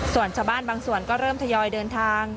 ส่วนชาวบ้านบางส่วนก็เริ่มทยอยเดินทาง